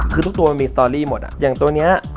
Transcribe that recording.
คือทุกตัวมันมีสตอรี่หมดอ่ะอย่างตัวนี้